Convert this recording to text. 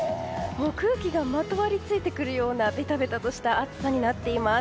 空気がまとわりついてくるようなベタベタトした暑さになっています。